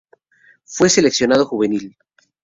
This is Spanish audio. Fue seleccionado juvenil.